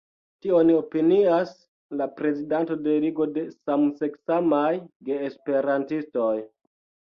Tion opinias la prezidanto de Ligo de Samseksamaj Geesperantistoj.